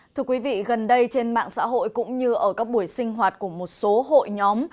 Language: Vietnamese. thưa quý vị gần đây trên mạng xã hội cũng như ở các buổi sinh hoạt của một số hội nhóm